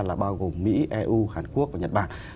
là bao gồm mỹ eu hàn quốc và nhật bản